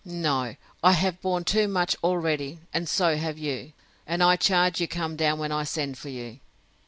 —No, I have borne too much already; and so have you: And I charge you come down when I send for you.